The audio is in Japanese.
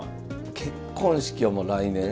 結婚式はもう、来年。